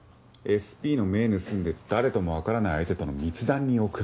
ＳＰの目盗んで誰ともわからない相手との密談に送る。